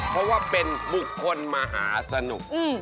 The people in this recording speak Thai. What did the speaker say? เพราะว่าเป็นบุคคลมหาสนุก